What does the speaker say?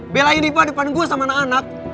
belain rifa depan gue sama anak anak